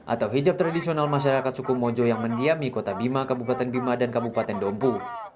atau hijab tradisional masyarakat sukumojo yang mendiami kota bima kabupaten bima dan kabupaten dompu